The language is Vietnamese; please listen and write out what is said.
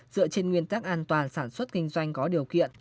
dựa trên nguyên tắc an toàn sản xuất kinh doanh có điều kiện